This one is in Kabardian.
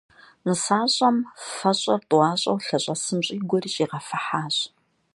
Нысащӏэм фэщӏэр тӏуащӏэу лъэщӏэсым щӏигуэри щӏигъэфыхьащ.